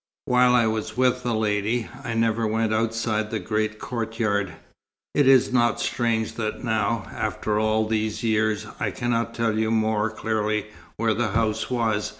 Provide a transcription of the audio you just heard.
"While I was with the lady, I never went outside the great courtyard. It is not strange that now, after all these years, I cannot tell you more clearly where the house was.